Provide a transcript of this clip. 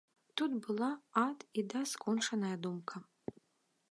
Тут была ад і да скончаная думка.